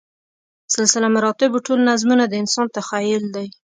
سلسله مراتبو ټول نظمونه د انسان تخیل دی.